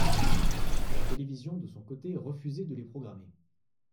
La télévision de son côté refusait de les programmer.